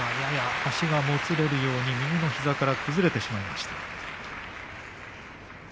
足がもつれるように右の膝から崩れてしまいました。